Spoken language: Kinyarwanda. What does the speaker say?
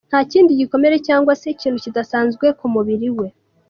Nta kindi gikomere cyangwa se ikintu kidasanzwe ku mubiri we.